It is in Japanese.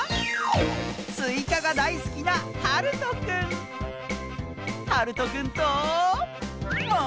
すいかがだいすきなはるとくんとものしりとり！